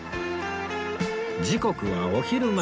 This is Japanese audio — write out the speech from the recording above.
時刻はお昼前